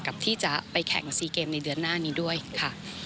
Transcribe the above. ที่จะไปแข่งซีเกมในเดือนหน้านี้ด้วยค่ะ